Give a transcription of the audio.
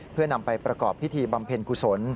เพื่อนำไปประกอบพิธีบำเพ็ญกุศล